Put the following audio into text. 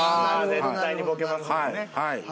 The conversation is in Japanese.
絶対にボケますもんね。